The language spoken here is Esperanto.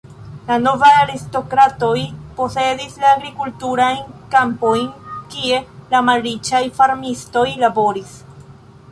La novaj aristokratoj posedis la agrikulturajn kampojn, kie la malriĉaj farmistoj laboris.